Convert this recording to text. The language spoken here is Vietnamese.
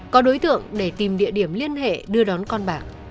có đối tượng để tìm địa điểm liên hệ đưa đón con bạc